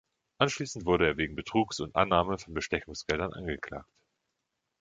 Anschließend wurde er wegen Betrugs und Annahme von Bestechungsgeldern angeklagt.